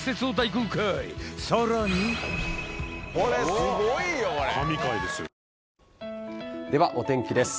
「ビオレ」では、お天気です。